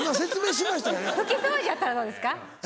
拭き掃除やったらどうですか？